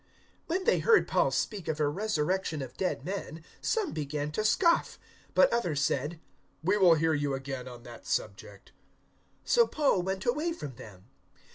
017:032 When they heard Paul speak of a resurrection of dead men, some began to scoff. But others said, "We will hear you again on that subject." 017:033 So Paul went away from them.